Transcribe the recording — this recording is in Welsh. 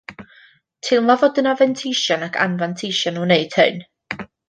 Teimlaf fod yna fanteision ac anfanteision o wneud hyn